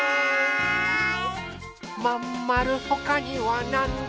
まんまるほかにはなんだ？